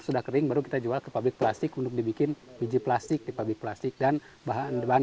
sudah kering baru kita jual ke pabrik plastik untuk dibikin biji plastik di pabrik plastik dan bahan bahan